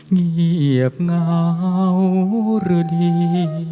เงียบเหงาหรือดี